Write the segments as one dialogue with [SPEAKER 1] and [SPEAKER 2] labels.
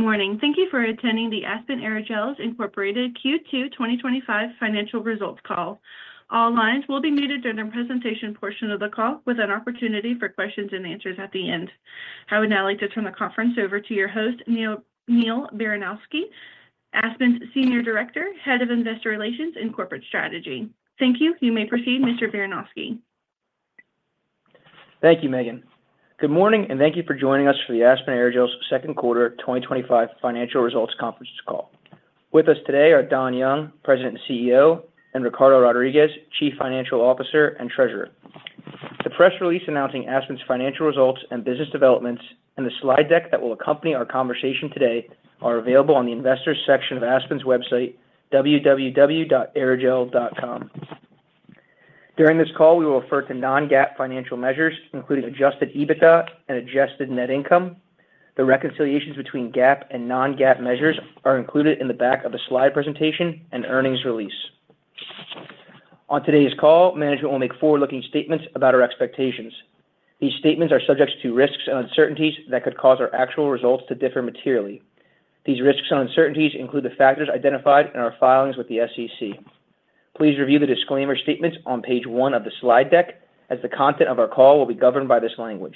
[SPEAKER 1] Good morning. Thank you for attending the Aspen Aerogels, Inc. Q2 2025 Financial Results Call. All lines will be muted during the presentation portion of the call, with an opportunity for questions and answers at the end. I would now like to turn the conference over to your host, Neal Baranosky, Aspen's Senior Director, Head of Investor Relations and Corporate Strategy. Thank you. You may proceed, Mr. Baranosky.
[SPEAKER 2] Thank you, Megan. Good morning, and thank you for joining us for the Aspen Aerogels Second Quarter 2025 Financial Results Conference Call. With us today are Don Young, President and CEO, and Ricardo Rodriguez, Chief Financial Officer and Treasurer. The press release announcing Aspen's financial results and business developments, and the slide deck that will accompany our conversation today, are available on the Investors section of Aspen's website, www.aerogel.com. During this call, we will refer to non-GAAP financial measures, including adjusted EBITDA and adjusted net income. The reconciliations between GAAP and non-GAAP measures are included in the back of the slide presentation and earnings release. On today's call, management will make forward-looking statements about our expectations. These statements are subject to risks and uncertainties that could cause our actual results to differ materially. These risks and uncertainties include the factors identified in our filings with the SEC. Please review the disclaimer statements on page one of the slide deck, as the content of our call will be governed by this language.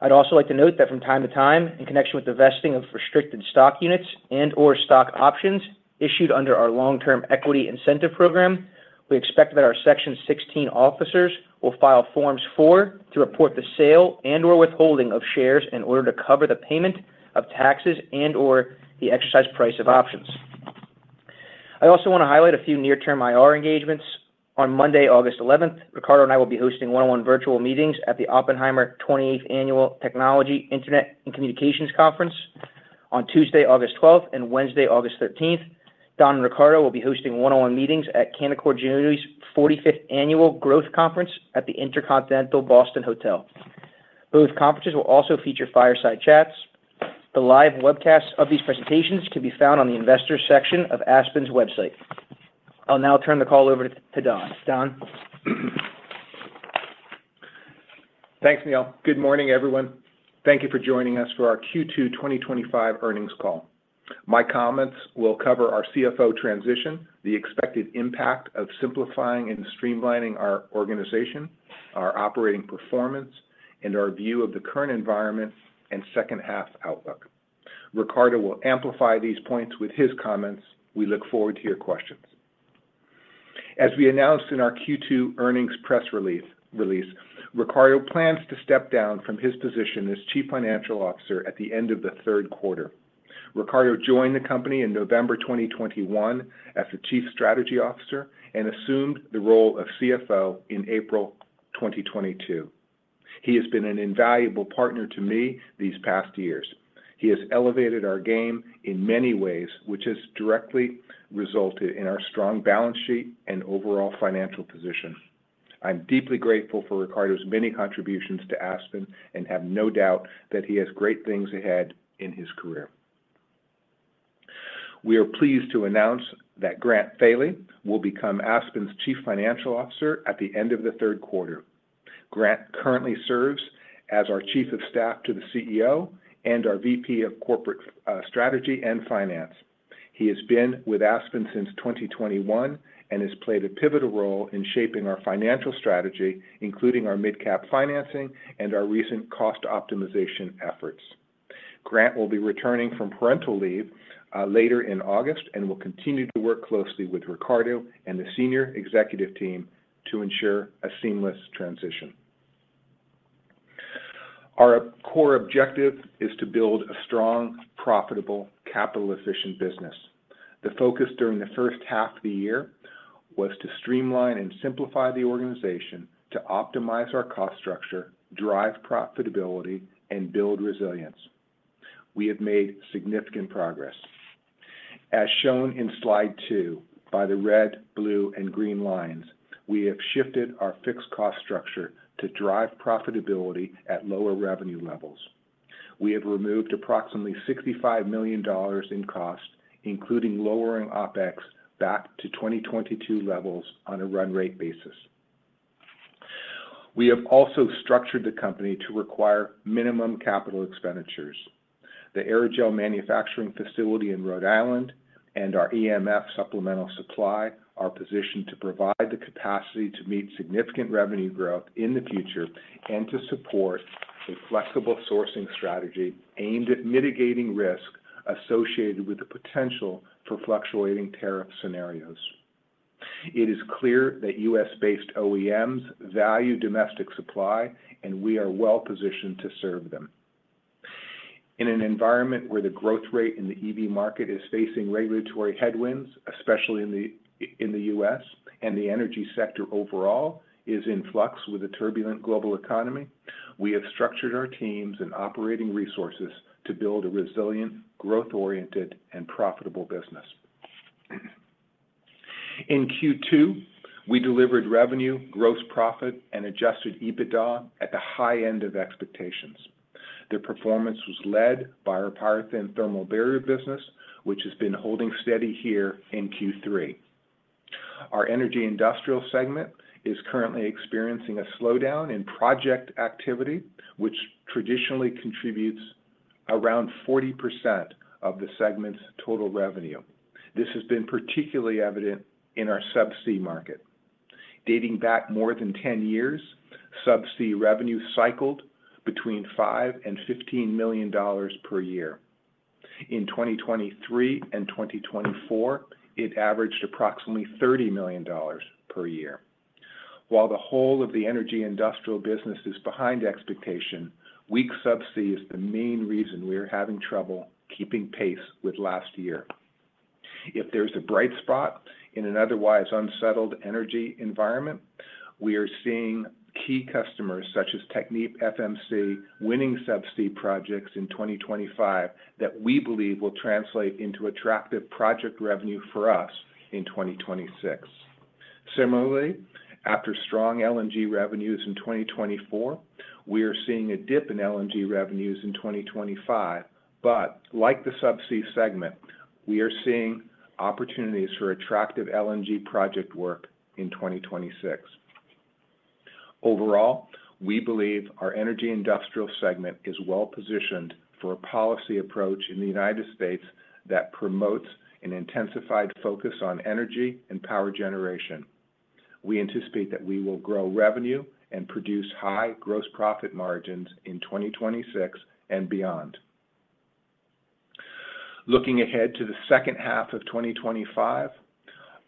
[SPEAKER 2] I'd also like to note that from time to time, in connection with the vesting of restricted stock units and/or stock options issued under our long-term equity incentive program, we expect that our Section 16 officers will file forms for, to report the sale and/or withholding of shares in order to cover the payment of taxes and/or the exercise price of options. I also want to highlight a few near-term IR engagements. On Monday, August 11, Ricardo and I will be hosting one-on-one virtual meetings at the Oppenheimer 28th Annual Technology, Internet, and Communications Conference. On Tuesday, August 12, and Wednesday, August 13, Don and Ricardo will be hosting one-on-one meetings at Canaccord Junior's 45th Annual Growth Conference at the Intercontinental Boston Hotel. Both conferences will also feature fireside chats. The live webcasts of these presentations can be found on the Investors section of Aspen's website. I'll now turn the call over to Don. Don.
[SPEAKER 3] Thanks, Neal. Good morning, everyone. Thank you for joining us for our Q2 2025 Earnings Call. My comments will cover our CFO transition, the expected impact of simplifying and streamlining our organization, our operating performance, and our view of the current environment and second-half outlook. Ricardo will amplify these points with his comments. We look forward to your questions. As we announced in our Q2 earnings press release, Ricardo plans to step down from his position as Chief Financial Officer at the end of the third quarter. Ricardo joined the company in November 2021 as the Chief Strategy Officer and assumed the role of CFO in April 2022. He has been an invaluable partner to me these past years. He has elevated our game in many ways, which has directly resulted in our strong balance sheet and overall financial position. I'm deeply grateful for Ricardo's many contributions to Aspen Aerogels and have no doubt that he has great things ahead in his career. We are pleased to announce that Grant Thoele will become Aspens' Chief Financial Officer at the end of the third quarter. Grant currently serves as our Chief of Staff to the CEO and our VP of Corporate Strategy and Finance. He has been with Aspen since 2021 and has played a pivotal role in shaping our financial strategy, including our mid-cap financing and our recent cost optimization efforts. Grant will be returning from parental leave later in August and will continue to work closely with Ricardo and the senior executive team to ensure a seamless transition. Our core objective is to build a strong, profitable, capital-efficient business. The focus during the first half of the year was to streamline and simplify the organization, to optimize our cost structure, drive profitability, and build resilience. We have made significant progress. As shown in slide two by the red, blue, and green lines, we have shifted our fixed cost structure to drive profitability at lower revenue levels. We have removed approximately $65 million in cost, including lowering operating expenses back to 2022 levels on a run-rate basis. We have also structured the company to require minimum capital expenditures. The aerogel manufacturing facility in Rhode Island and our EMF supplemental supply are positioned to provide the capacity to meet significant revenue growth in the future and to support a flexible sourcing strategy aimed at mitigating risk associated with the potential for fluctuating tariff scenarios. It is clear that U.S.-based OEMs value domestic supply, and we are well positioned to serve them. In an environment where the growth rate in the EV market is facing regulatory headwinds, especially in the U.S., and the energy sector overall is in flux with a turbulent global economy, we have structured our teams and operating resources to build a resilient, growth-oriented, and profitable business. In Q2, we delivered revenue, gross profit, and adjusted EBITDA at the high end of expectations. The performance was led by our PyroThin thermal barrier business, which has been holding steady here in Q3. Our energy industrial segment is currently experiencing a slowdown in project activity, which traditionally contributes around 40% of the segment's total revenue. This has been particularly evident in our Subsea market. Dating back more than 10 years, Subsea revenue cycled between $5 million and $15 million per year. In 2023 and 2024, it averaged approximately $30 million per year. While the whole of the energy industrial business is behind expectation, weak Subsea is the main reason we are having trouble keeping pace with last year. If there's a bright spot in an otherwise unsettled energy environment, we are seeing key customers such as TechnipFMC winning Subsea projects in 2025 that we believe will translate into attractive project revenue for us in 2026. Similarly, after strong LNG revenues in 2024, we are seeing a dip in LNG revenues in 2025. Like the Subsea segment, we are seeing opportunities for attractive LNG project work in 2026. Overall, we believe our energy industrial segment is well positioned for a policy approach in the United States that promotes an intensified focus on energy and power generation. We anticipate that we will grow revenue and produce high gross profit margins in 2026 and beyond. Looking ahead to the second half of 2025,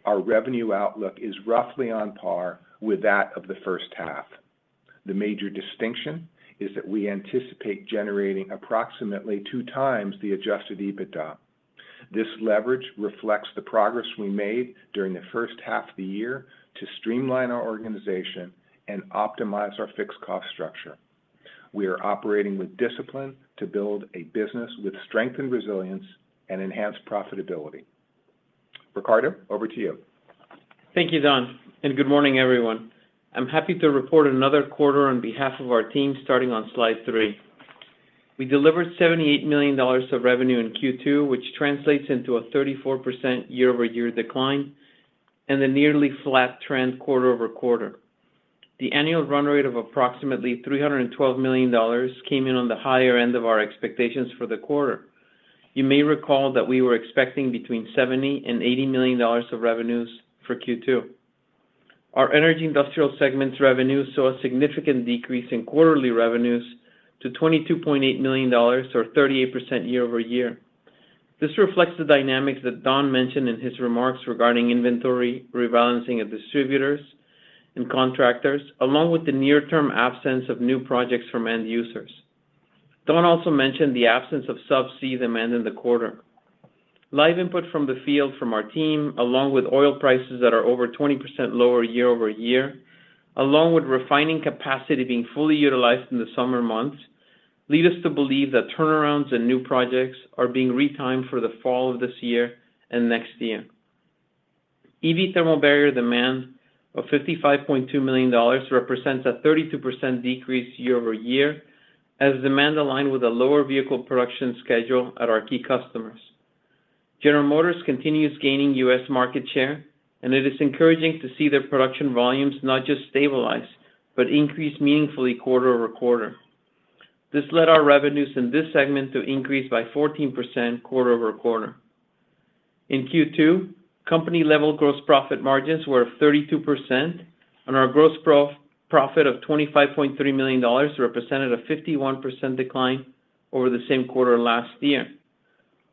[SPEAKER 3] our revenue outlook is roughly on par with that of the first half. The major distinction is that we anticipate generating approximately two times the adjusted EBITDA. This leverage reflects the progress we made during the first half of the year to streamline our organization and optimize our fixed cost structure. We are operating with discipline to build a business with strength and resilience and enhance profitability. Ricardo, over to you.
[SPEAKER 4] Thank you, Don, and good morning, everyone. I'm happy to report another quarter on behalf of our team, starting on slide three. We delivered $78 million of revenue in Q2, which translates into a 34% year-over-year decline and a nearly flat trend quarter-over-quarter. The annual run rate of approximately $312 million came in on the higher end of our expectations for the quarter. You may recall that we were expecting between $70 million and $80 million of revenues for Q2. Our energy industrial segment's revenues saw a significant decrease in quarterly revenues to $22.8 million, or 38% year-over-year. This reflects the dynamics that Don mentioned in his remarks regarding inventory rebalancing of distributors and contractors, along with the near-term absence of new projects from end users. Don also mentioned the absence of Subsea demand in the quarter. Live input from the field from our team, along with oil prices that are over 20% lower year-over-year, along with refining capacity being fully utilized in the summer months, lead us to believe that turnarounds and new projects are being re-timed for the fall of this year and next year. EV thermal barrier demand of $55.2 million represents a 32% decrease year over year, as demand aligned with a lower vehicle production schedule at our key customers. General Motors continues gaining U.S. market share, and it is encouraging to see their production volumes not just stabilize, but increase meaningfully quarter-over-quarter. This led our revenues in this segment to increase by 14% quarter-over-quarter. In Q2, company-level gross profit margins were at 32%, and our gross profit of $25.3 million represented a 51% decline over the same quarter last year.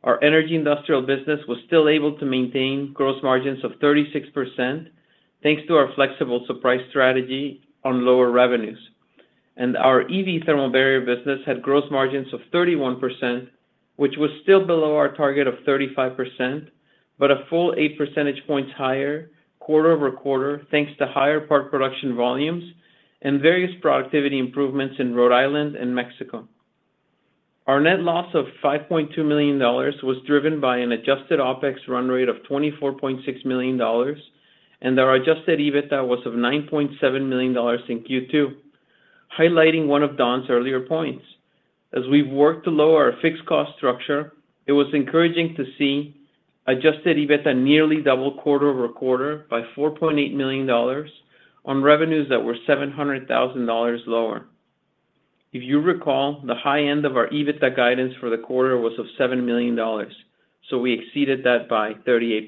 [SPEAKER 4] Our energy industrial business was still able to maintain gross margins of 36%, thanks to our flexible supply strategy on lower revenues. Our EV thermal barrier business had gross margins of 31%, which was still below our target of 35%, but a full eight percentage points higher quarter-over-quarter, thanks to higher part production volumes and various productivity improvements in Rhode Island and Mexico. Our net loss of $5.2 million was driven by an adjusted OpEx run rate of $24.6 million, and our adjusted EBITDA was $9.7 million in Q2, highlighting one of Don's earlier points. As we worked to lower our fixed cost structure, it was encouraging to see adjusted EBITDA nearly double quarter-over-quarter by $4.8 million on revenues that were $700,000 lower. If you recall, the high end of our EBITDA guidance for the quarter was $7 million, so we exceeded that by 38%.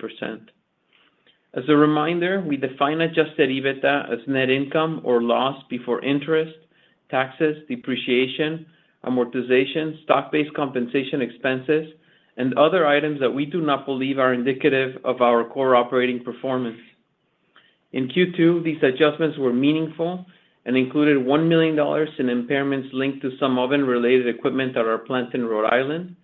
[SPEAKER 4] As a reminder, we define adjusted EBITDA as net income or loss before interest, taxes, depreciation, amortization, stock-based compensation expenses, and other items that we do not believe are indicative of our core operating performance. In Q2, these adjustments were meaningful and included $1 million in impairments linked to some oven-related equipment at our plant in Rhode Island,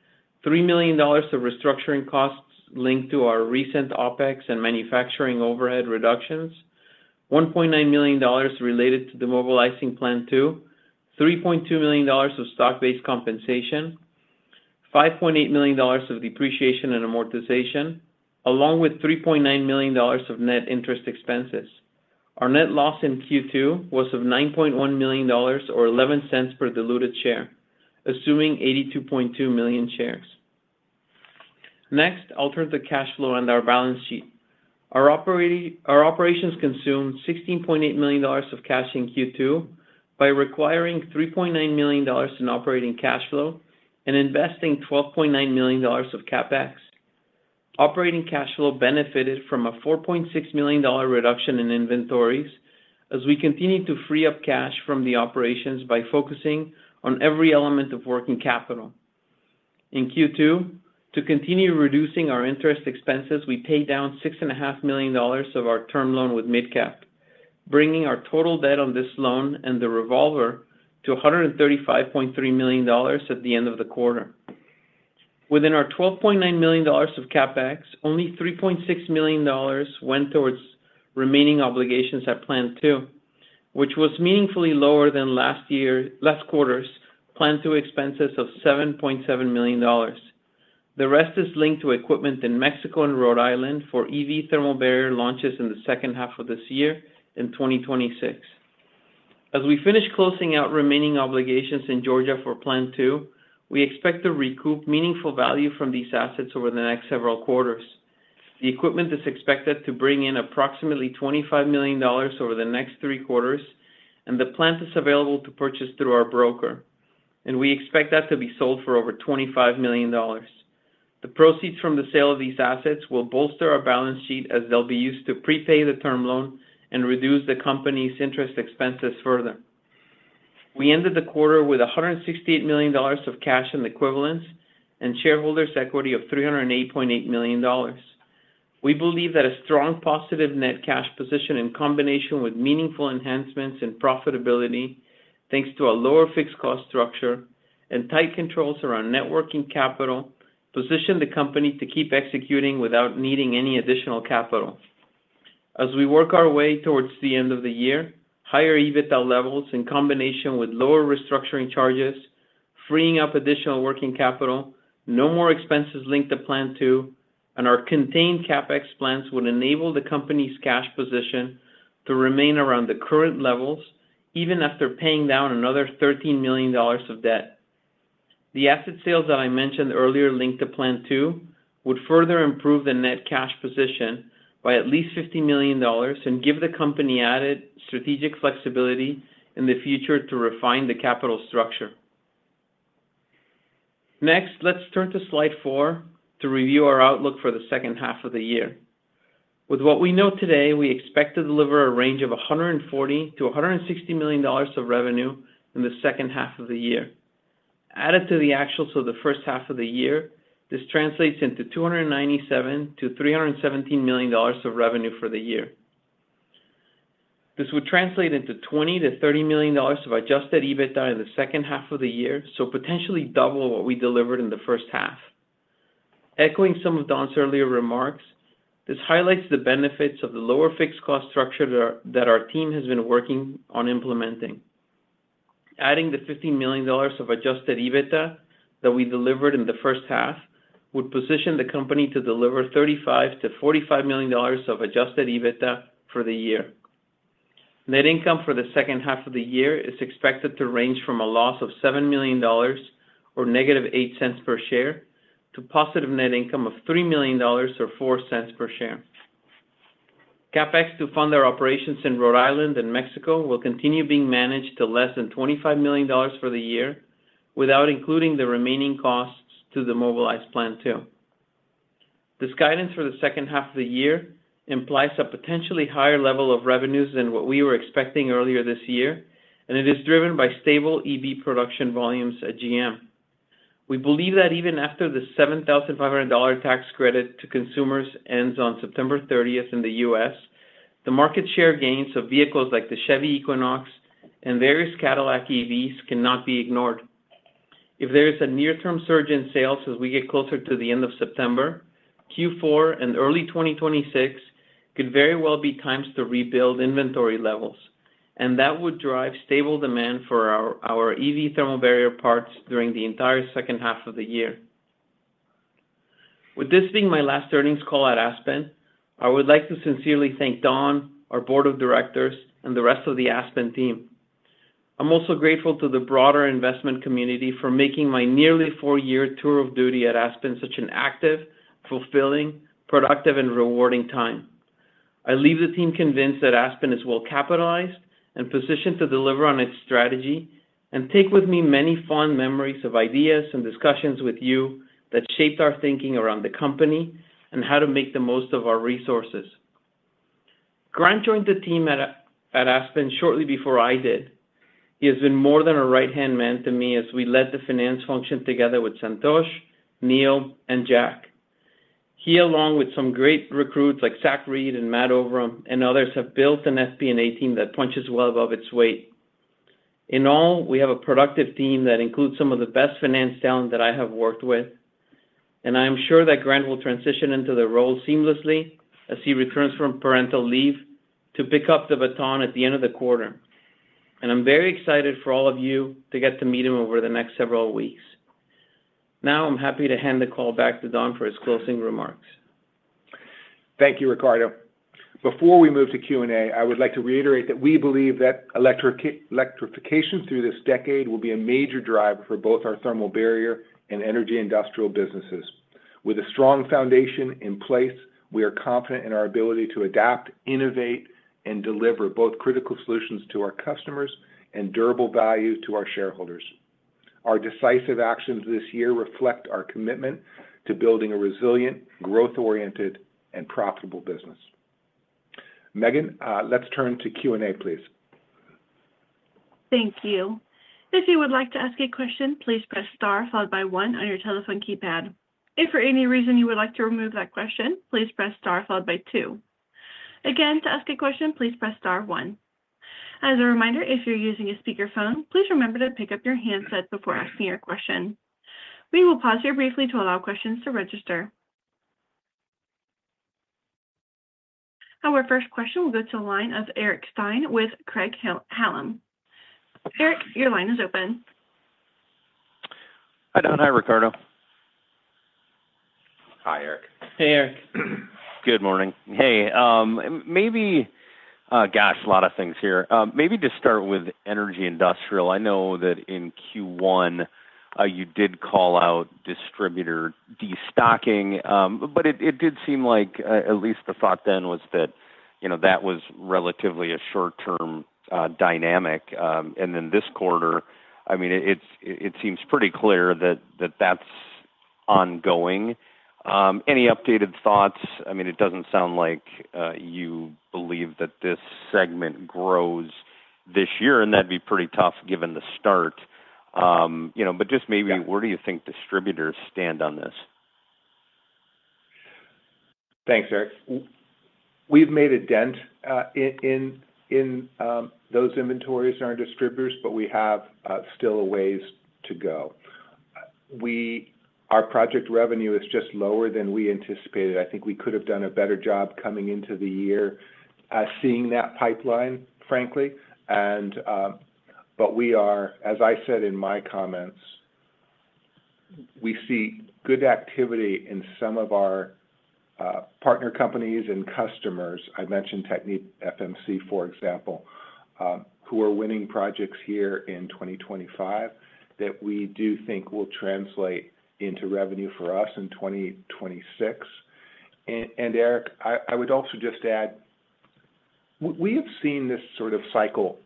[SPEAKER 4] $3 million of restructuring costs linked to our recent operating expenses and manufacturing overhead reductions, $1.9 million related to the mobilizing plant two, $3.2 million of stock-based compensation, $5.8 million of depreciation and amortization, along with $3.9 million of net interest expenses. Our net loss in Q2 was $9.1 million or $0.11 per diluted share, assuming 82.2 million shares. Next, I'll turn to cash flow and our balance sheet. Our operations consumed $16.8 million of cash in Q2 by requiring $3.9 million in operating cash flow and investing $12.9 million of CapEx. Operating cash flow benefited from a $4.6 million reduction in inventories as we continued to free up cash from the operations by focusing on every element of working capital. In Q2, to continue reducing our interest expenses, we paid down $6.5 million of our term loan with MidCap, bringing our total debt on this loan and the revolver to $135.3 million at the end of the quarter. Within our $12.9 million of CapEx, only $3.6 million went towards remaining obligations at plant two, which was meaningfully lower than last year's last quarter's plant two expenses of $7.7 million. The rest is linked to equipment in Mexico and Rhode Island for EV thermal barrier launches in the second half of this year and 2026. As we finish closing out remaining obligations in Georgia for plant two, we expect to recoup meaningful value from these assets over the next several quarters. The equipment is expected to bring in approximately $25 million over the next three quarters, and the plant is available to purchase through our broker, and we expect that to be sold for over $25 million. The proceeds from the sale of these assets will bolster our balance sheet as they'll be used to prepay the term loan and reduce the company's interest expenses further. We ended the quarter with $168 million of cash and equivalents and shareholders' equity of $308.8 million. We believe that a strong positive net cash position in combination with meaningful enhancements in profitability, thanks to a lower fixed cost structure and tight controls around net working capital, positioned the company to keep executing without needing any additional capital. As we work our way towards the end of the year, higher EBITDA levels in combination with lower restructuring charges, freeing up additional working capital, no more expenses linked to Plant 2, and our contained CapEx plans would enable the company's cash position to remain around the current levels, even after paying down another $13 million of debt. The asset sales that I mentioned earlier linked to Plant 2 would further improve the net cash position by at least $50 million and give the company added strategic flexibility in the future to refine the capital structure. Next, let's turn to slide four to review our outlook for the second half of the year. With what we know today, we expect to deliver a range of $140 million-$160 million of revenue in the second half of the year. Added to the actuals of the first half of the year, this translates into $297 million-$317 million of revenue for the year. This would translate into $20 million-$30 million of adjusted EBITDA in the second half of the year, potentially double what we delivered in the first half. Echoing some of Don's earlier remarks, this highlights the benefits of the lower fixed cost structure that our team has been working on implementing. Adding the $15 million of adjusted EBITDA that we delivered in the first half would position the company to deliver $35 million-$45 million of adjusted EBITDA for the year. Net income for the second half of the year is expected to range from a loss of $7 million or -$0.08 per share to positive net income of $3 million or $0.04 per share. CapEx to fund our operations in Rhode Island and Mexico will continue being managed to less than $25 million for the year without including the remaining costs to the mobilized Plant 2. This guidance for the second half of the year implies a potentially higher level of revenues than what we were expecting earlier this year, and it is driven by stable EV production volumes at GM. We believe that even after the $7,500 tax credit to consumers ends on September 30 in the U.S., the market share gains of vehicles like the Chevy Equinox and various Cadillac EVs cannot be ignored. If there is a near-term surge in sales as we get closer to the end of September, Q4 and early 2026 could very well be times to rebuild inventory levels, and that would drive stable demand for our EV thermal barrier parts during the entire second half of the year. With this being my last earnings call at Aspen Aerogels, I would like to sincerely thank Don, our Board of Directors, and the rest of the Aspen team. I'm also grateful to the broader investment community for making my nearly four-year tour of duty at Aspen such an active, fulfilling, productive, and rewarding time. I leave the team convinced that Aspen is well capitalized and positioned to deliver on its strategy, and take with me many fond memories of ideas and discussions with you that shaped our thinking around the company and how to make the most of our resources. Grant joined the team at Aspen shortly before I did. He has been more than a right-hand man to me as we led the finance function together with Santosh, Neal, and Jack. He, along with some great recruits like Zach Reed and Matt Overham and others, have built an FP&A team that punches well above its weight. In all, we have a productive team that includes some of the best finance talent that I have worked with, and I am sure that Grant will transition into the role seamlessly as he returns from parental leave to pick up the baton at the end of the quarter. I am very excited for all of you to get to meet him over the next several weeks. Now, I'm happy to hand the call back to Don for his closing remarks.
[SPEAKER 3] Thank you, Ricardo. Before we move to Q&A, I would like to reiterate that we believe that electrification through this decade will be a major driver for both our thermal barrier and energy industrial businesses. With a strong foundation in place, we are confident in our ability to adapt, innovate, and deliver both critical solutions to our customers and durable value to our shareholders. Our decisive actions this year reflect our commitment to building a resilient, growth-oriented, and profitable business. Megan, let's turn to Q&A, please.
[SPEAKER 1] Thank you. If you would like to ask a question, please press star followed by one on your telephone keypad. If for any reason you would like to remove that question, please press star followed by two. Again, to ask a question, please press star one. As a reminder, if you're using a speakerphone, please remember to pick up your handset before asking your question. We will pause here briefly to allow questions to register. Our first question will go to a line of Eric Stine with Craig-Hallum. Eric, your line is open.
[SPEAKER 5] Hi Don, hi Ricardo.
[SPEAKER 3] Hi Eric.
[SPEAKER 4] Hey Eric.
[SPEAKER 5] Good morning. Maybe, gosh, a lot of things here. Maybe to start with energy industrial, I know that in Q1, you did call out distributor destocking, but it did seem like at least the thought then was that, you know, that was relatively a short-term dynamic. This quarter, it seems pretty clear that that's ongoing. Any updated thoughts? It doesn't sound like you believe that this segment grows this year, and that'd be pretty tough given the start. You know, but just maybe, where do you think distributors stand on this?
[SPEAKER 3] Thanks, Eric. We've made a dent in those inventories in our distributors, but we have still a ways to go. Our project revenue is just lower than we anticipated. I think we could have done a better job coming into the year, seeing that pipeline, frankly. We are, as I said in my comments, we see good activity in some of our partner companies and customers. I mentioned TechnipFMC, for example, who are winning projects here in 2025 that we do think will translate into revenue for us in 2026. Eric, I would also just add, we have seen this sort of cycle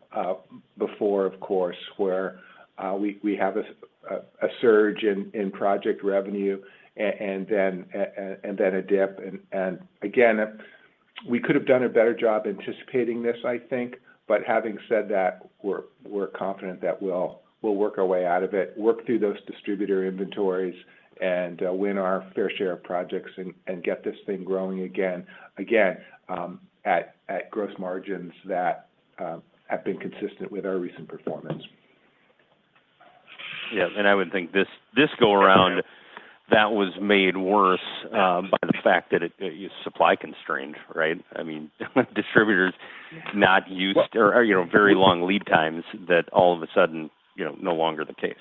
[SPEAKER 3] before, of course, where we have a surge in project revenue and then a dip. We could have done a better job anticipating this, I think. Having said that, we're confident that we'll work our way out of it, work through those distributor inventories, and win our fair share of projects and get this thing growing again at gross margins that have been consistent with our recent performance.
[SPEAKER 5] Yeah. I would think this go-around was made worse by the fact that it is supply constrained, right? I mean, distributors not used or, you know, very long lead times that all of a sudden, you know, no longer the case.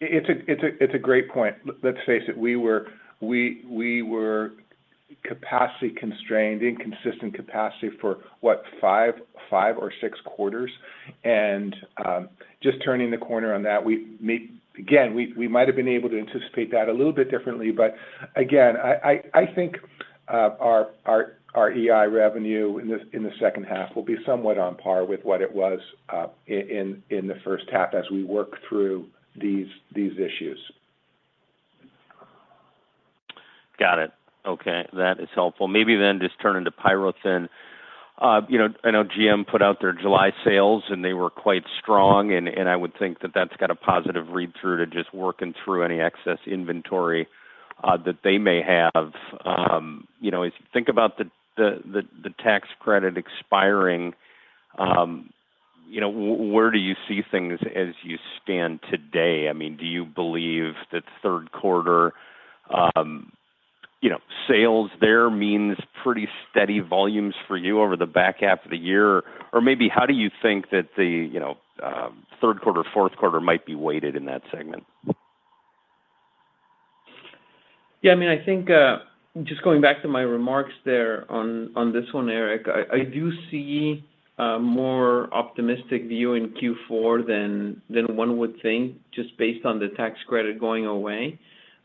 [SPEAKER 3] It's a great point. Let's face it. We were capacity constrained, inconsistent capacity for, what, five or six quarters. Just turning the corner on that, we might have been able to anticipate that a little bit differently. Again, I think our EI revenue in the second half will be somewhat on par with what it was in the first half as we work through these issues.
[SPEAKER 5] Got it. Okay. That is helpful. Maybe then just turn into PyroThin. I know GM put out their July sales, and they were quite strong. I would think that that's got a positive read-through to just working through any excess inventory that they may have. As you think about the tax credit expiring, where do you see things as you stand today? I mean, do you believe that third quarter sales there means pretty steady volumes for you over the back half of the year? Or maybe how do you think that the third quarter, fourth quarter might be weighted in that segment?
[SPEAKER 4] Yeah, I mean, I think, just going back to my remarks there on this one, Eric, I do see a more optimistic view in Q4 than one would think just based on the tax credit going away.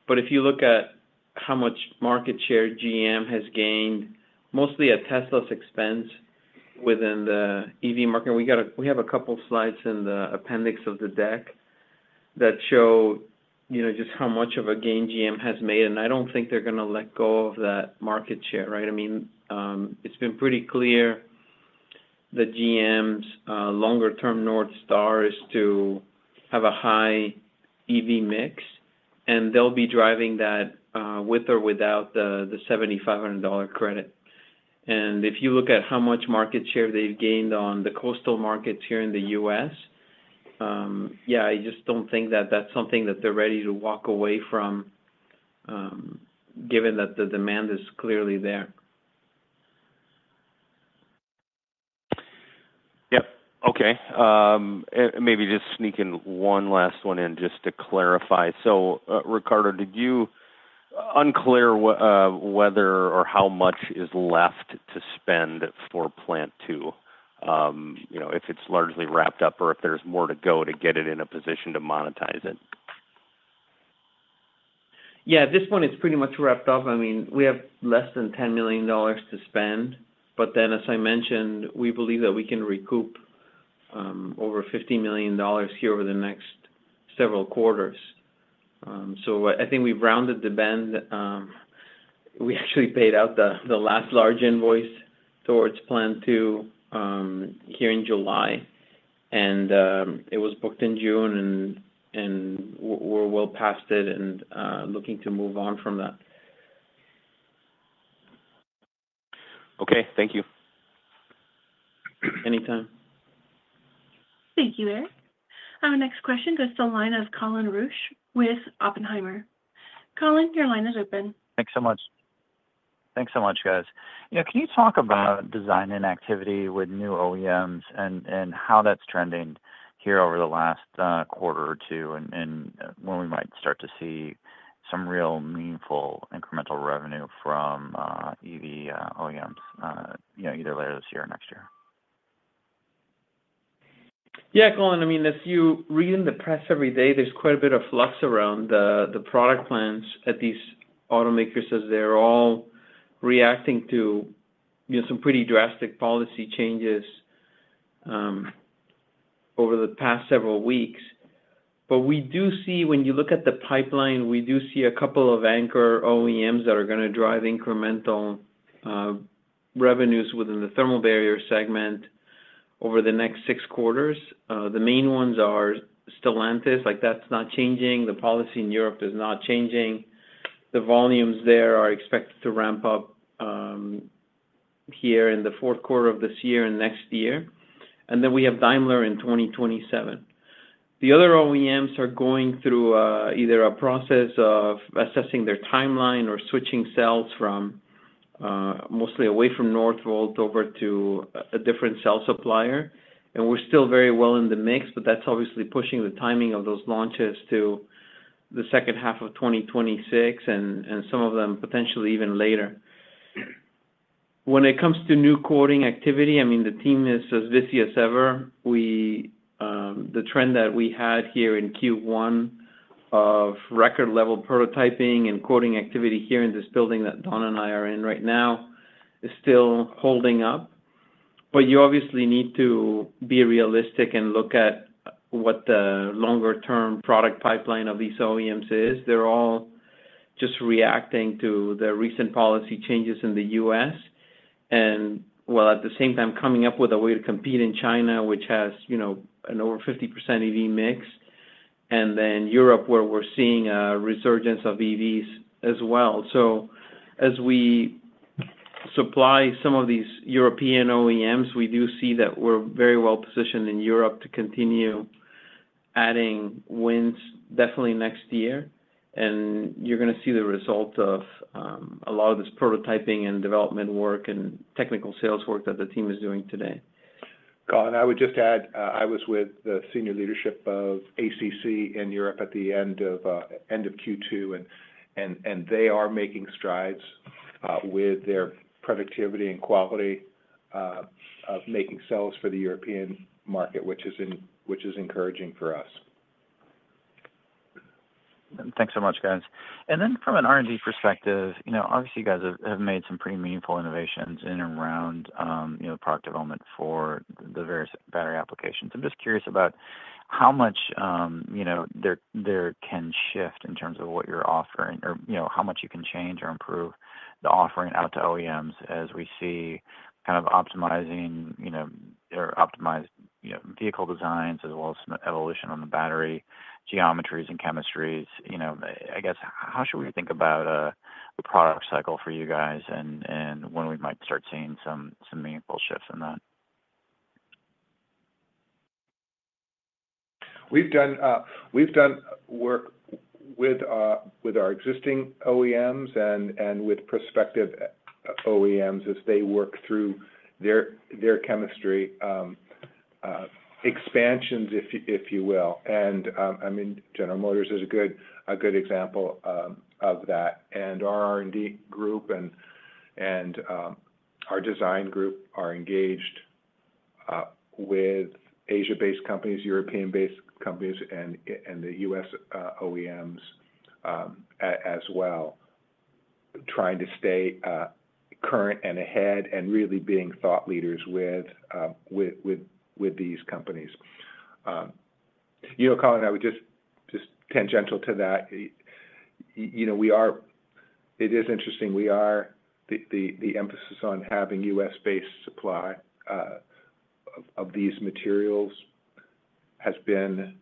[SPEAKER 4] If you look at how much market share GM has gained, mostly at Tesla's expense within the EV market, we have a couple of slides in the appendix of the deck that show just how much of a gain GM has made. I don't think they're going to let go of that market share, right? I mean, it's been pretty clear that GMs' longer-term north star is to have a high EV mix, and they'll be driving that, with or without the $7,500 credit. If you look at how much market share they've gained on the coastal markets here in the U.S., I just don't think that that's something that they're ready to walk away from, given that the demand is clearly there.
[SPEAKER 5] Yeah. Okay. Maybe just sneak in one last one just to clarify. Ricardo, did you unclear whether or how much is left to spend for plant 2, you know, if it's largely wrapped up or if there's more to go to get it in a position to monetize it?
[SPEAKER 4] Yeah. This one, it's pretty much wrapped up. I mean, we have less than $10 million to spend. As I mentioned, we believe that we can recoup over $50 million here over the next several quarters. I think we've rounded the bend. We actually paid out the last large invoice towards plant two here in July. It was booked in June, and we're well past it and looking to move on from that.
[SPEAKER 5] Okay, thank you.
[SPEAKER 4] Anytime.
[SPEAKER 1] Thank you, Eric. Our next question goes to the line of Colin Rusch with Oppenheimer. Colin, your line is open.
[SPEAKER 6] Thanks so much. Thanks so much, guys. Can you talk about design and activity with new OEMs and how that's trending here over the last quarter or two, and when we might start to see some real meaningful incremental revenue from EV OEMs, either later this year or next year?
[SPEAKER 4] Yeah, Colin. As you read in the press every day, there's quite a bit of flux around the product plans at these automakers as they're all reacting to some pretty drastic policy changes over the past several weeks. We do see, when you look at the pipeline, a couple of anchor OEMs that are going to drive incremental revenues within the thermal barrier segment over the next six quarters. The main ones are Stellantis. That's not changing. The policy in Europe is not changing. The volumes there are expected to ramp up here in the fourth quarter of this year and next year. We have Daimler in 2027. The other OEMs are going through either a process of assessing their timeline or switching cells, mostly away from Northvolt over to a different cell supplier. We're still very well in the mix, but that's obviously pushing the timing of those launches to the second half of 2026 and some of them potentially even later. When it comes to new quoting activity, the team is as busy as ever. The trend that we had here in Q1 of record-level prototyping and quoting activity here in this building that Don and I are in right now is still holding up. You obviously need to be realistic and look at what the longer-term product pipeline of these OEMs is. They're all just reacting to the recent policy changes in the U.S., and at the same time, coming up with a way to compete in China, which has an over 50% EV mix, and then Europe where we're seeing a resurgence of EVs as well. As we supply some of these European OEMs, we do see that we're very well positioned in Europe to continue adding wins definitely next year. You're going to see the result of a lot of this prototyping and development work and technical sales work that the team is doing today.
[SPEAKER 3] Colin, I would just add, I was with the Senior Leadership of ACC in Europe at the end of Q2, and they are making strides with their productivity and quality of making sales for the European market, which is encouraging for us.
[SPEAKER 6] Thanks so much, guys. From an R&D perspective, you know, obviously, you guys have made some pretty meaningful innovations in and around the product development for the various battery applications. I'm just curious about how much there can shift in terms of what you're offering or how much you can change or improve the offering out to OEMs as we see kind of optimizing, you know, or optimized vehicle designs as well as some evolution on the battery geometries and chemistries. I guess how should we think about a product cycle for you guys and when we might start seeing some meaningful shifts in that?
[SPEAKER 3] We've done work with our existing OEMs and with prospective OEMs as they work through their chemistry expansions, if you will. General Motors is a good example of that. Our R&D group and our design group are engaged with Asia-based companies, European-based companies, and the U.S. OEMs as well, trying to stay current and ahead and really being thought leaders with these companies. Colin, I would just tangential to that, it is interesting. The emphasis on having U.S.-based supply of these materials has been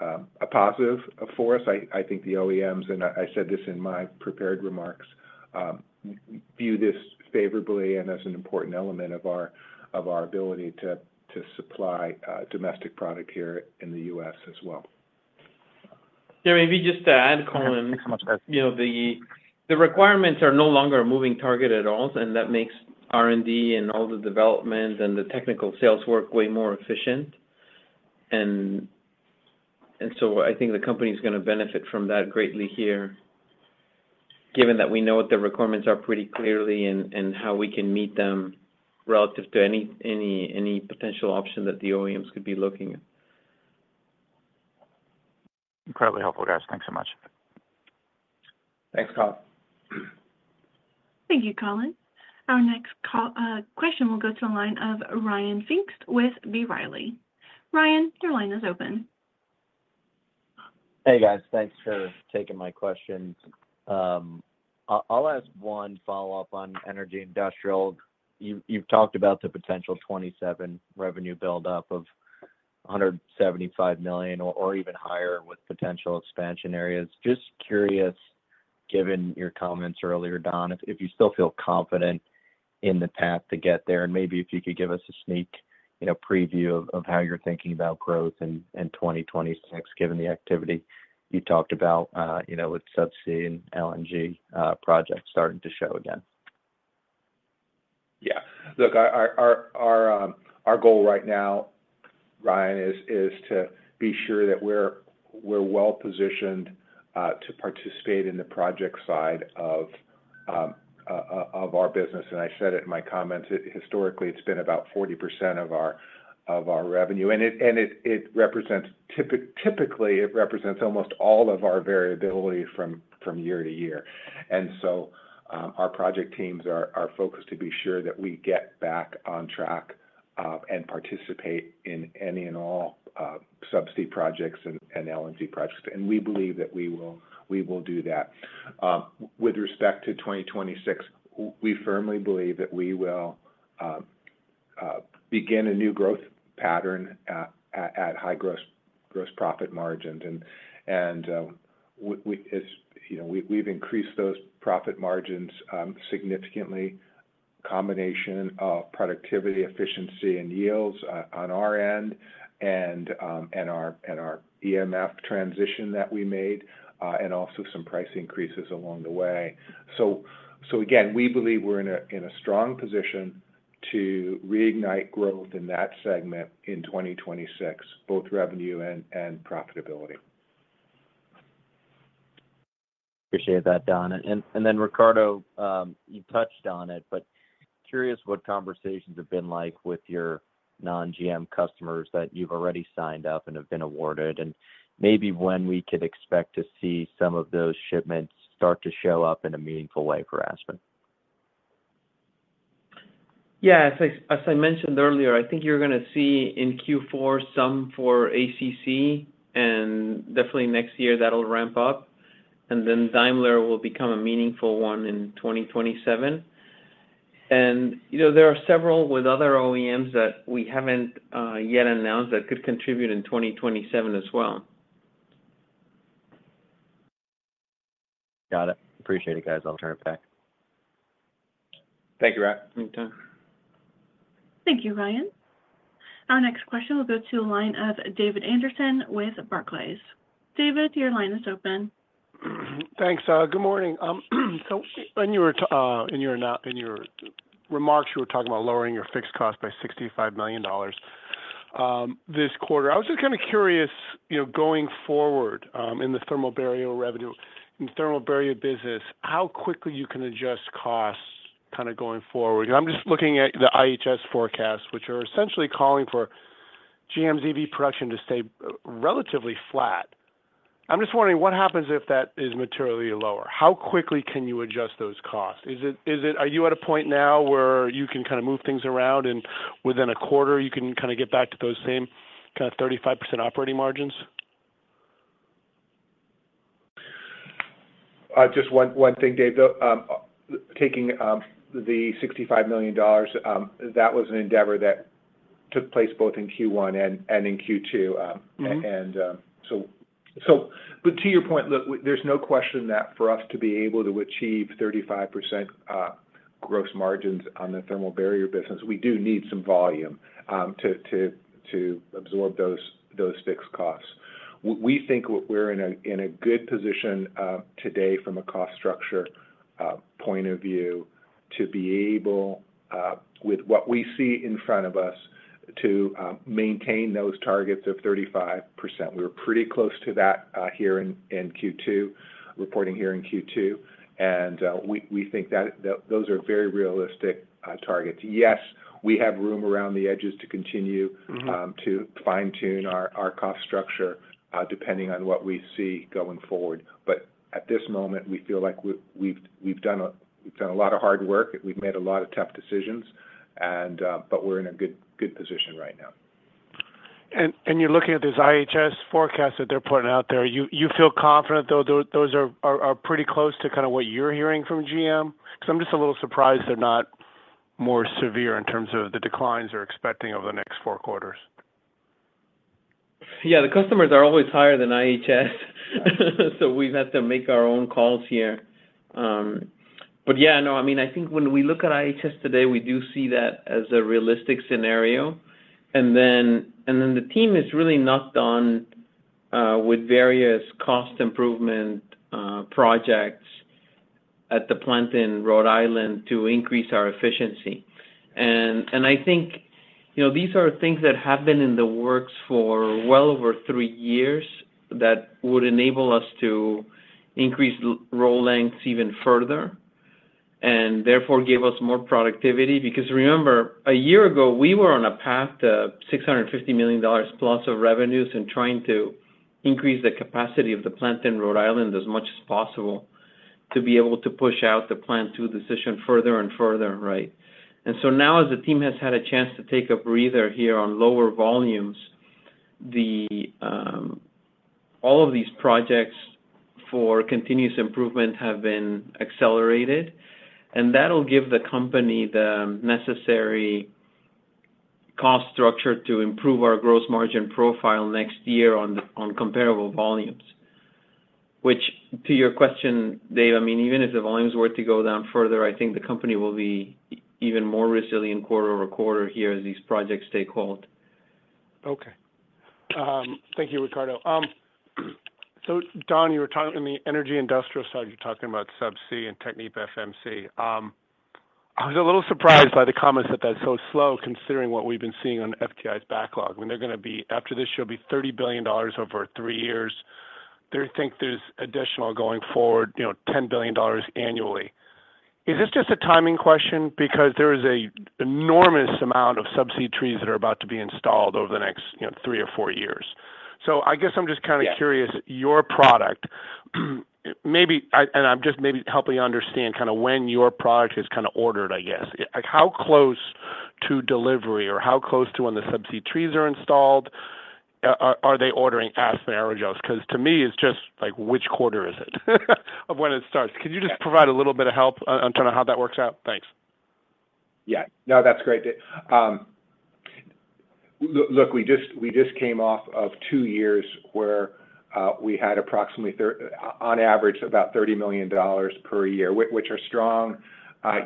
[SPEAKER 3] a positive for us. I think the OEMs, and I said this in my prepared remarks, view this favorably and as an important element of our ability to supply domestic product here in the U.S. as well.
[SPEAKER 4] Yeah. Maybe just to add, Colin, the requirements are no longer moving targets at all, and that makes R&D and all the development and the technical sales work way more efficient. I think the company is going to benefit from that greatly here, given that we know what the requirements are pretty clearly and how we can meet them relative to any potential option that the OEMs could be looking at.
[SPEAKER 6] Incredibly helpful, guys. Thanks so much.
[SPEAKER 3] Thanks, Colin.
[SPEAKER 1] Thank you, Colin. Our next question will go to the line of Ryan Pfingst with B. Riley. Ryan, your line is open.
[SPEAKER 7] Hey, guys. Thanks for taking my questions. I'll ask one follow-up on energy industrial. You've talked about the potential 2027 revenue buildup of $175 million or even higher with potential expansion areas. Just curious, given your comments earlier, Don, if you still feel confident in the path to get there, and maybe if you could give us a sneak preview of how you're thinking about growth in 2026, given the activity you talked about with Subsea and LNG, projects starting to show again.
[SPEAKER 3] Yeah. Look, our goal right now, Ryan, is to be sure that we're well positioned to participate in the project side of our business. I said it in my comments. Historically, it's been about 40% of our revenue. It represents almost all of our variability from year to year. Our project teams are focused to be sure that we get back on track and participate in any and all Subsea projects and LNG projects. We believe that we will do that. With respect to 2026, we firmly believe that we will begin a new growth pattern at high gross profit margins. As you know, we've increased those profit margins significantly, a combination of productivity, efficiency, and yields on our end and our EMF transition that we made, and also some price increases along the way. We believe we're in a strong position to reignite growth in that segment in 2026, both revenue and profitability.
[SPEAKER 7] Appreciate that, Don. Ricardo, you touched on it, but curious what conversations have been like with your non-GM customers that you've already signed up and have been awarded, and maybe when we could expect to see some of those shipments start to show up in a meaningful way for Aspen.
[SPEAKER 4] As I mentioned earlier, I think you're going to see in Q4 some for ACC, and definitely next year, that'll ramp up. Daimler will become a meaningful one in 2027. There are several with other OEMs that we haven't yet announced that could contribute in 2027 as well.
[SPEAKER 7] Got it. Appreciate it, guys. I'll turn it back.
[SPEAKER 4] Thank you, Ron. Anytime.
[SPEAKER 1] Thank you, Ryan. Our next question will go to a line of David Anderson with Barclays. David, your line is open.
[SPEAKER 8] Thanks. Good morning. In your remarks, you were talking about lowering your fixed costs by $65 million this quarter. I was just kind of curious, going forward in the thermal barrier revenue and thermal barrier business, how quickly you can adjust costs going forward. I'm just looking at the IHS forecasts, which are essentially calling for GMs' EV production to stay relatively flat. I'm just wondering what happens if that is materially lower. How quickly can you adjust those costs? Are you at a point now where you can kind of move things around and within a quarter, you can kind of get back to those same kind of 35% operating margins?
[SPEAKER 3] Just one thing, David. Taking the $65 million, that was an endeavor that took place both in Q1 and in Q2. To your point, look, there's no question that for us to be able to achieve 35% gross margins on the thermal barrier business, we do need some volume to absorb those fixed costs. We think we're in a good position today from a cost structure point of view to be able, with what we see in front of us, to maintain those targets of 35%. We were pretty close to that here in Q2, reporting here in Q2. We think that those are very realistic targets. Yes, we have room around the edges to continue to fine-tune our cost structure, depending on what we see going forward. At this moment, we feel like we've done a lot of hard work. We've made a lot of tough decisions, and we're in a good position right now.
[SPEAKER 8] You're looking at these IHS forecasts that they're putting out there. You feel confident those are pretty close to kind of what you're hearing from GM? I'm just a little surprised they're not more severe in terms of the declines they're expecting over the next four quarters.
[SPEAKER 4] Yeah. The customers are always higher than IHS. We've had to make our own calls here. I think when we look at IHS today, we do see that as a realistic scenario. The team has really knocked on with various cost improvement projects at the plant in Rhode Island to increase our efficiency. I think these are things that have been in the works for well over three years that would enable us to increase roll lengths even further and therefore give us more productivity. Remember, a year ago, we were on a path to $650 million plus of revenues and trying to increase the capacity of the plant in Rhode Island as much as possible to be able to push out the plant two decision further and further, right? Now, as the team has had a chance to take a breather here on lower volumes, all of these projects for continuous improvement have been accelerated. That'll give the company the necessary cost structure to improve our gross margin profile next year on comparable volumes, which, to your question, David, even if the volumes were to go down further, I think the company will be even more resilient quarter-over-quarter here as these projects stay cold.
[SPEAKER 8] Okay. Thank you, Ricardo. Don, you were talking in the energy industrial side, you're talking about Subsea and TechnipFMC. I was a little surprised by the comments that that's so slow considering what we've been seeing on FTI's backlog. They're going to be after this, it'll be $30 billion over three years. They think there's additional going forward, $10 billion annually. Is this just a timing question? There is an enormous amount of subsea trees that are about to be installed over the next three or four years. I guess I'm just kind of curious, your product, maybe I'm just helping you understand kind of when your product is kind of ordered, I guess. How close to delivery or how close to when the subsea trees are installed are they ordering at Aspen Aerogels? To me, it's just like, which quarter is it of when it starts? Could you just provide a little bit of help on kind of how that works out? Thanks.
[SPEAKER 3] Yeah. No, that's great. Look, we just came off of two years where we had approximately, on average, about $30 million per year, which are strong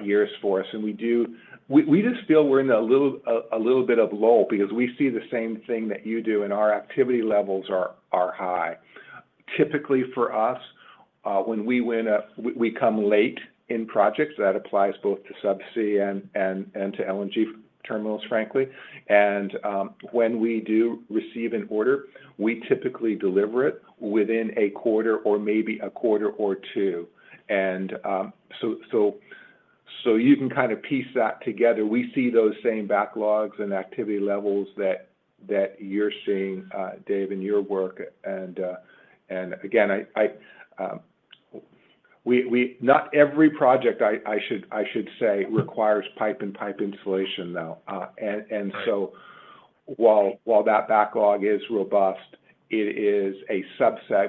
[SPEAKER 3] years for us. We just feel we're in a little bit of a lull because we see the same thing that you do, and our activity levels are high. Typically, for us, when we win, we come late in projects. That applies both to Subsea and to LNG terminals, frankly. When we do receive an order, we typically deliver it within a quarter or maybe a quarter or two, so you can kind of piece that together. We see those same backlogs and activity levels that you're seeing, Dave, in your work. Not every project, I should say, requires pipe-in-pipe installation, though, and while that backlog is robust, it is a subsegment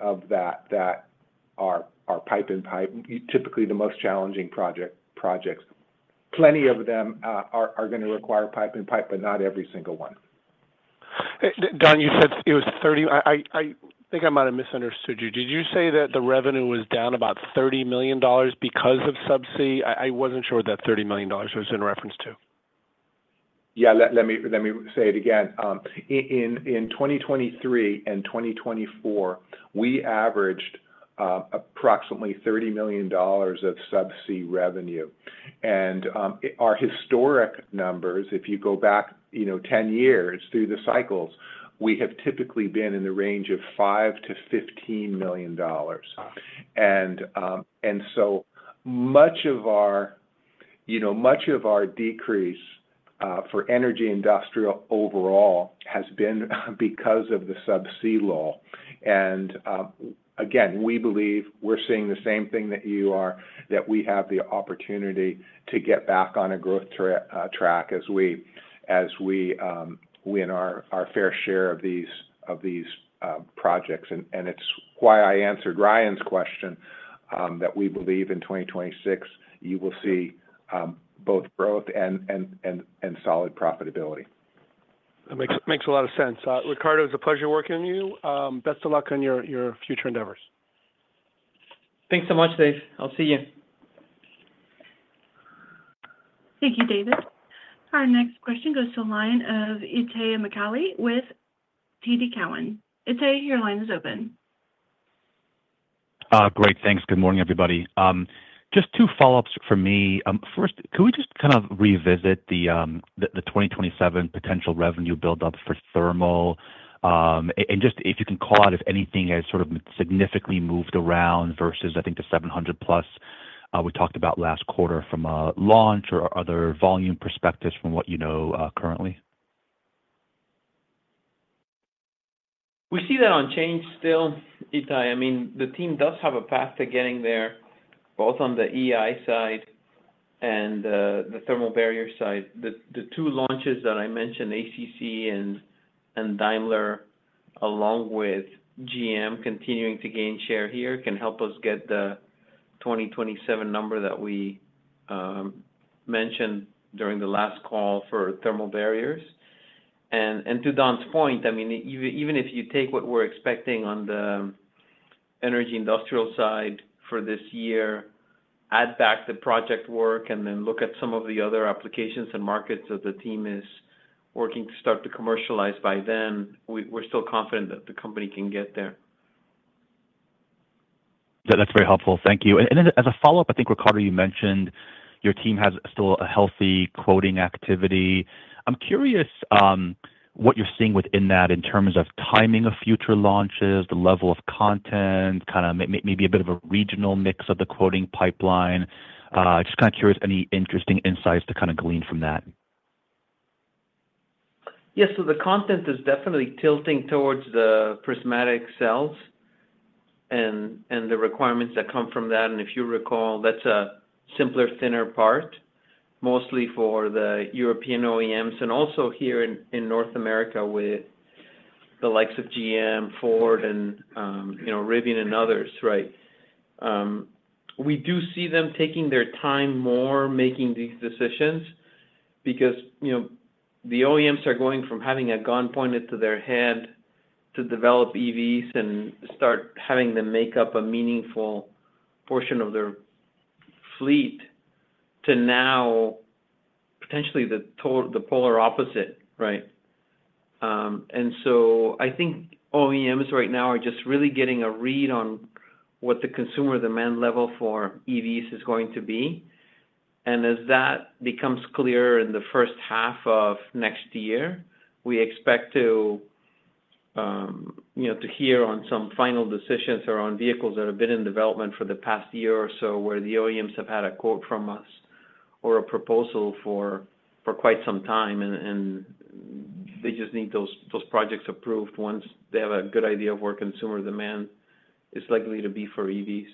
[SPEAKER 3] of that that are pipe-in-pipe, typically the most challenging projects. Plenty of them are going to require pipe-in-pipe, but not every single one.
[SPEAKER 8] Don, you said it was $30 million. I think I might have misunderstood you. Did you say that the revenue was down about $30 million because of Subsea? I wasn't sure what that $30 million was in reference to.
[SPEAKER 3] Let me say it again. In 2023 and 2024, we averaged approximately $30 million of Subsea revenue. Our historic numbers, if you go back 10 years through the cycles, we have typically been in the range of $5 million-$15 million. Much of our decrease for energy industrial overall has been because of the Subsea lull. We believe we're seeing the same thing that you are, that we have the opportunity to get back on a growth track as we win our fair share of these projects. It's why I answered Ryan's question, that we believe in 2026, you will see both growth and solid profitability.
[SPEAKER 8] That makes a lot of sense. Ricardo, it was a pleasure working with you. Best of luck on your future endeavors.
[SPEAKER 4] Thanks so much, Dave. I'll see you.
[SPEAKER 1] Thank you, David. Our next question goes to a line of Itay Michaeli with TD Cowen. Itay, your line is open.
[SPEAKER 9] Great. Thanks. Good morning, everybody. Just two follow-ups from me. First, could we just revisit the 2027 potential revenue buildup for thermal? If you can call out if anything has significantly moved around versus, I think, the $700 million-plus we talked about last quarter from a launch or other volume perspectives from what you know currently?
[SPEAKER 4] We see that unchanged still, Itay. I mean, the team does have a path to getting there, both on the energy industrial side and the thermal barrier side. The two launches that I mentioned, ACC and Daimler, along with GM continuing to gain share here, can help us get the 2027 number that we mentioned during the last call for thermal barriers. To Don's point, even if you take what we're expecting on the energy industrial side for this year, add back the project work, and then look at some of the other applications and markets that the team is working to start to commercialize by then, we're still confident that the company can get there.
[SPEAKER 9] That's very helpful. Thank you. As a follow-up, I think, Ricardo, you mentioned your team has still a healthy quoting activity. I'm curious what you're seeing within that in terms of timing of future launches, the level of content, maybe a bit of a regional mix of the quoting pipeline. Just kind of curious, any interesting insights to glean from that?
[SPEAKER 4] Yeah. The content is definitely tilting towards the prismatic cells and the requirements that come from that. If you recall, that's a simpler, thinner part, mostly for the European OEMs and also here in North America with the likes of General Motors, Ford, Rivian, and others, right? We do see them taking their time more making these decisions because the OEMs are going from having a gun pointed to their hand to develop EVs and start having them make up a meaningful portion of their fleet to now potentially the total polar opposite, right? I think OEMs right now are just really getting a read on what the consumer demand level for EVs is going to be. As that becomes clearer in the first half of next year, we expect to hear on some final decisions around vehicles that have been in development for the past year or so where the OEMs have had a quote from us or a proposal for quite some time. They just need those projects approved once they have a good idea of where consumer demand is likely to be for EVs.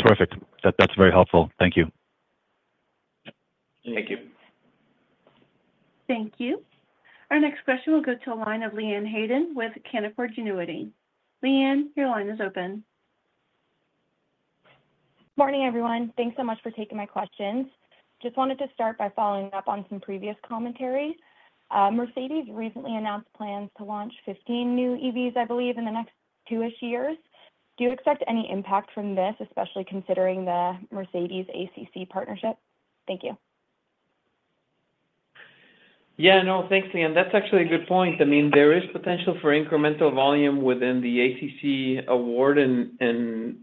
[SPEAKER 9] Terrific. That's very helpful. Thank you.
[SPEAKER 4] Thank you.
[SPEAKER 1] Thank you. Our next question will go to Leanne Hayden with Canaccord Genuity. Leanne, your line is open.
[SPEAKER 10] Morning, everyone. Thanks so much for taking my questions. Just wanted to start by following up on some previous commentary. Mercedes-Benz recently announced plans to launch 15 new EVs, I believe, in the next two years. Do you expect any impact from this, especially considering the Mercedes-Benz-ACC partnership? Thank you.
[SPEAKER 4] Yeah. No, thanks, Leanne. That's actually a good point. I mean, there is potential for incremental volume within the ACC award, and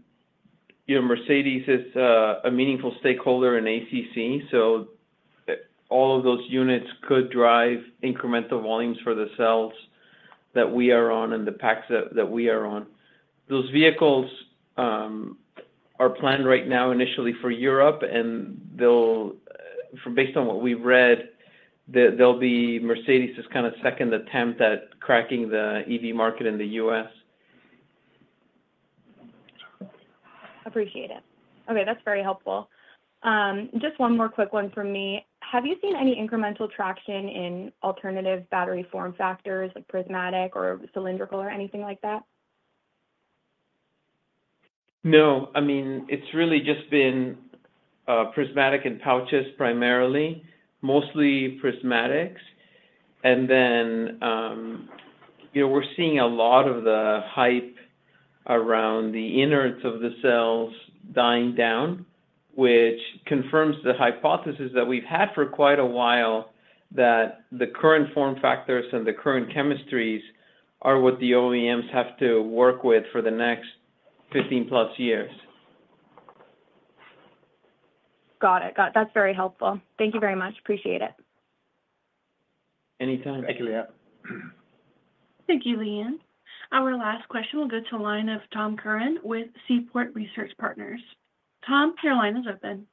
[SPEAKER 4] you know, Mercedes-Benz is a meaningful stakeholder in ACC. All of those units could drive incremental volumes for the cells that we are on and the packs that we are on. Those vehicles are planned right now initially for Europe, and they'll, based on what we've read, they'll be Mercedes-Benz's kind of second attempt at cracking the EV market in the U.S.
[SPEAKER 10] Appreciate it. Okay. That's very helpful. Just one more quick one from me. Have you seen any incremental traction in alternative battery form factors with prismatic or cylindrical or anything like that?
[SPEAKER 4] No, I mean, it's really just been prismatic and pouches primarily, mostly prismatics. We're seeing a lot of the hype around the innards of the cells dying down, which confirms the hypothesis that we've had for quite a while that the current form factors and the current chemistries are what the OEMs have to work with for the next 15+ years.
[SPEAKER 10] Got it. Got it. That's very helpful. Thank you very much. Appreciate it.
[SPEAKER 4] Anytime.
[SPEAKER 3] Thank you, Leanne.
[SPEAKER 1] Thank you, Leanne. Our last question will go to a line of Tom Curran with Seaport Research Partners. Tom, your line is open.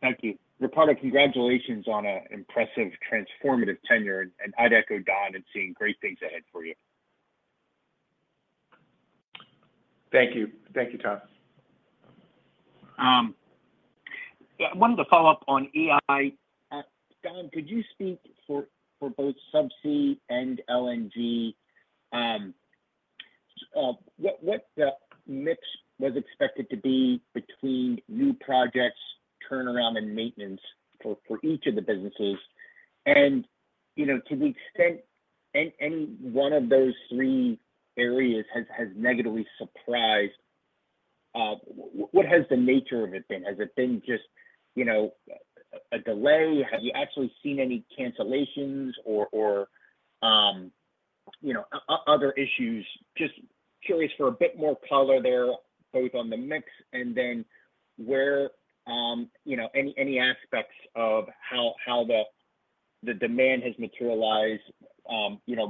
[SPEAKER 11] Thank you. Ricardo, congratulations on an impressive, transformative tenure. I'd echo Don in seeing great things ahead for you.
[SPEAKER 3] Thank you. Thank you, Tom.
[SPEAKER 11] I wanted to follow up on EI. Don, could you speak for both Subsea and LNG? What the mix was expected to be between new projects, turnaround, and maintenance for each of the businesses? To the extent any one of those three areas has negatively surprised, what has the nature of it been? Has it been just a delay? Have you actually seen any cancellations or other issues? Just curious for a bit more color there, both on the mix and then where any aspects of how the demand has materialized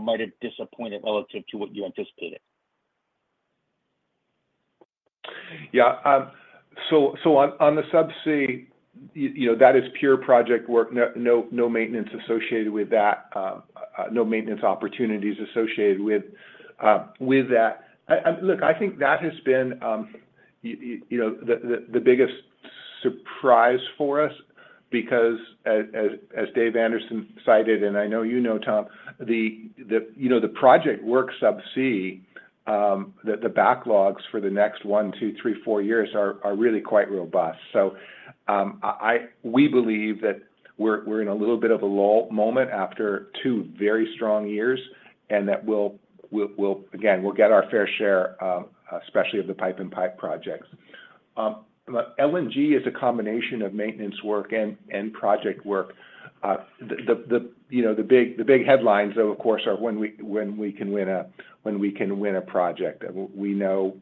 [SPEAKER 11] might have disappointed relative to what you anticipated.
[SPEAKER 3] Yeah. On the Subsea, that is pure project work. No maintenance associated with that. No maintenance opportunities associated with that. I think that has been the biggest surprise for us because, as Dave Anderson cited, and I know you know, Tom, the project work Subsea, the backlogs for the next one, two, three, four years are really quite robust. We believe that we're in a little bit of a lull moment after two very strong years and that we'll get our fair share, especially of the pipe in pipe projects. LNG is a combination of maintenance work and project work. The big headlines, though, of course, are when we can win a project. We know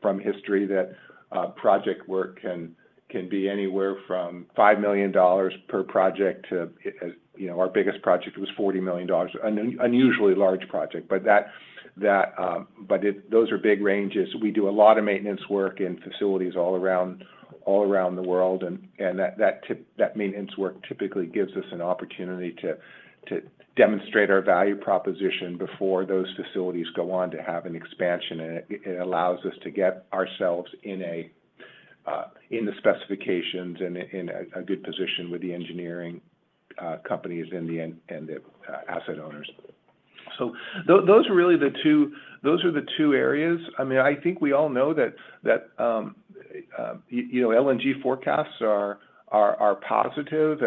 [SPEAKER 3] from history that project work can be anywhere from $5 million per project to, you know, our biggest project was $40 million, an unusually large project. Those are big ranges. We do a lot of maintenance work in facilities all around the world. That maintenance work typically gives us an opportunity to demonstrate our value proposition before those facilities go on to have an expansion. It allows us to get ourselves in the specifications and in a good position with the engineering companies and the asset owners. Those are really the two areas. I think we all know that LNG forecasts are positive.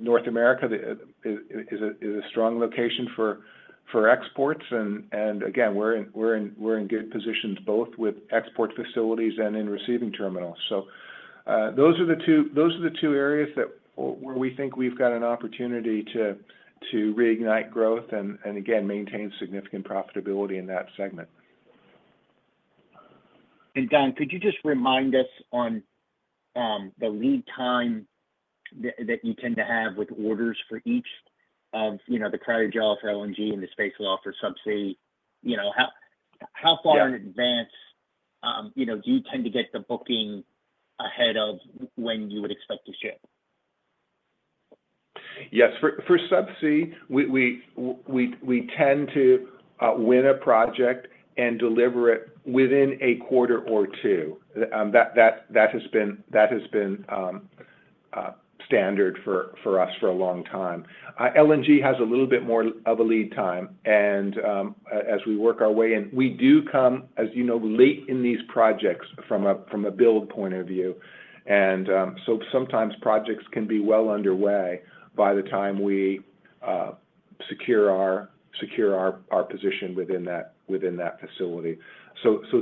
[SPEAKER 3] North America is a strong location for exports. Again, we're in good positions both with export facilities and in receiving terminals. Those are the two areas where we think we've got an opportunity to reignite growth and maintain significant profitability in that segment.
[SPEAKER 11] Don, could you just remind us on the lead time that you tend to have with orders for each of the Cryogel for LNG and the space wheel for Subsea? How far in advance do you tend to get the booking ahead of when you would expect to ship?
[SPEAKER 3] Yes. For Subsea, we tend to win a project and deliver it within a quarter or two. That has been standard for us for a long time. LNG has a little bit more of a lead time. As we work our way in, we do come, as you know, late in these projects from a build point of view. Sometimes projects can be well underway by the time we secure our position within that facility.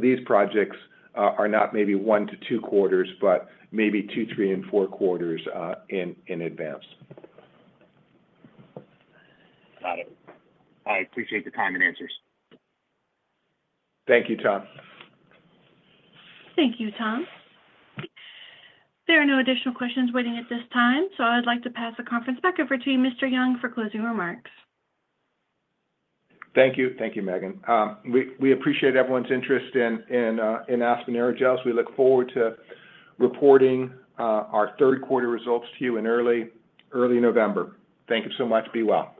[SPEAKER 3] These projects are not maybe one to two quarters, but maybe two, three, and four quarters in advance.
[SPEAKER 11] Got it. I appreciate the common answers.
[SPEAKER 3] Thank you, Tom.
[SPEAKER 1] Thank you, Tom. There are no additional questions waiting at this time. I would like to pass the conference back over to you, Mr. Young, for closing remarks.
[SPEAKER 3] Thank you. Thank you, Megan. We appreciate everyone's interest in Aspen Aerogels. We look forward to reporting our third quarter results to you in early November. Thank you so much. Be well.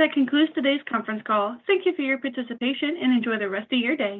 [SPEAKER 1] That concludes today's conference call. Thank you for your participation and enjoy the rest of your day.